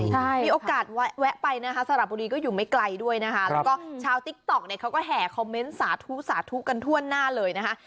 ใช่มีโอกาสแวะไปนะคะสระบุรีก็อยู่ไม่ไกลด้วยนะคะแล้วก็ชาวติ๊กต๊อกเนี่ยเขาก็แห่คอมเมนต์สาธุสาธุกันทั่วหน้าเลยนะคะ